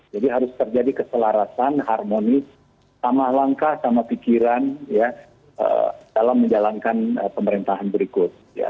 jadi harus terjadi keselarasan harmonis sama langkah sama pikiran ya dalam menjalankan pemerintahan berikut